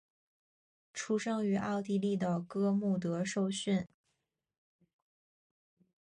出生于奥地利的哥穆德受训。